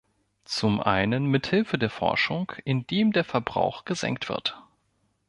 Zum einen mit Hilfe der Forschung, indem der Verbrauch gesenkt wird.